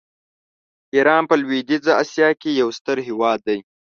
ایران په لویدیځه آسیا کې یو ستر هېواد دی.